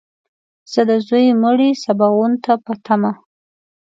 زه د ځوی مړي سباوون په تمه !